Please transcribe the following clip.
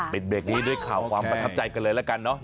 เบรกนี้ด้วยข่าวความประทับใจกันเลยละกันเนอะ